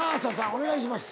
お願いします。